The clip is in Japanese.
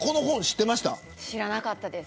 知らなかったです。